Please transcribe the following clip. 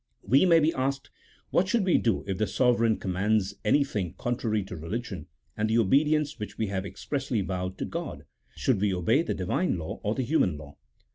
We may be asked, what should we do if the sovereign commands anything contrary to religion, and the obedience which we have expressly vowed to God? should we obey the Divine law or the human law?